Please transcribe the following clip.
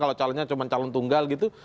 kalau calonnya cuma calon tunggal gitu